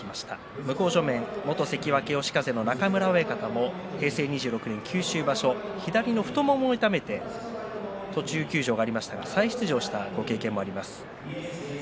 向正面元関脇嘉風の中村親方も平成２６年の九州場所左の太ももを痛めて休場しましたけども再出場したことがあります。